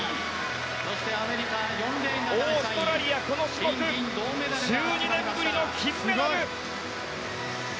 オーストラリア、この種目１２年ぶりの金メダル！